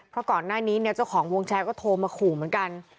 เพราะก่อนหน้านี้เนี่ยเจ้าของวงแชร์ก็โทรมาขู่เหมือนกัน